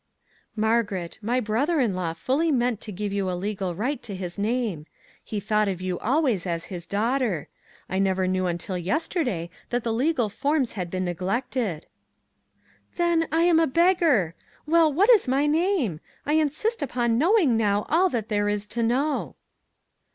"" Margaret, my brother in law fully meant to give you a legal right to his name; he thought of you always as his daughter. I 400 "WHAT ELSE COULD ONE DO?" never knew until yesterday that the legal forms had been neglected." " Then, I am a beggar ! Well, what is my name? I insist upon knowing now all that there is to know."